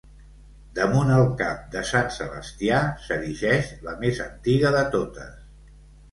Damunt el cap de Sant Sebastià, s'erigeix la més antiga de totes.